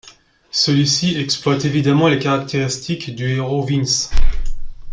Celui-ci exploite évidemment les caractéristiques du héros Vince.